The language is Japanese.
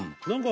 何？